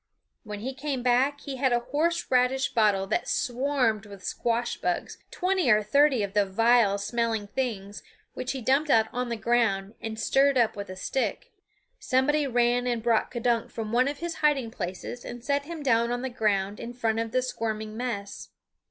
When he came back he had a horse radish bottle that swarmed with squash bugs, twenty or thirty of the vile smelling things, which he dumped out on the ground and stirred up with a stick. Somebody ran and brought K'dunk from one of his hiding places and set him down on the ground in front of the squirming mess.